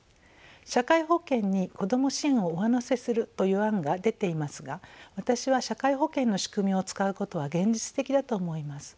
社会保険に子ども支援を上乗せするという案が出ていますが私は社会保険の仕組みを使うことは現実的だと思います。